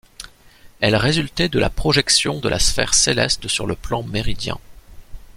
Elle résultait de la projection de la sphère céleste sur le plan méridien.